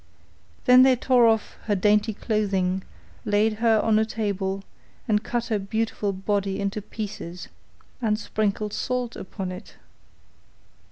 Then they tore off her dainty clothing, laid her on a table, and cut her beautiful body into pieces, and sprinkled salt upon it.